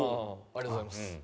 ありがとうございます。